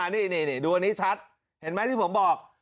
นี่ดูอันนี้ชัดเห็นไหมที่ผมบอก